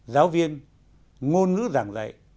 giáo viên ngôn ngữ giảng dạy